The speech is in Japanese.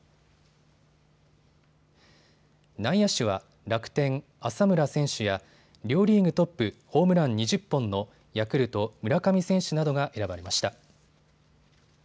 内野手は楽天・浅村選手や両リーグトップ、ホームラン２０本のヤクルト・村上選手などが選ばれました。